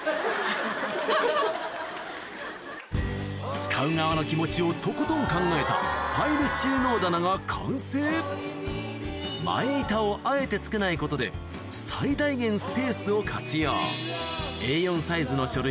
使う側の気持ちをとことん考えたファイル収納棚が完成前板をあえてつけないことで最大限スペースを活用入る